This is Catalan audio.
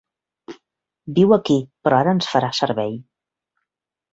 Viu aquí, però ara ens farà servei.